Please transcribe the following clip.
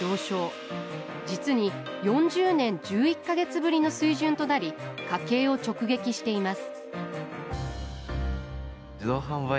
実に４０年１１か月ぶりの水準となり家計を直撃しています